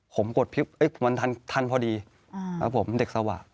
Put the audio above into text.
ผมกดมันทันพอดีครับผมเด็กสาวะ